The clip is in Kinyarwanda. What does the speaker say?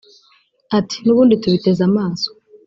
Ati “N’ubundi tubiteze amaso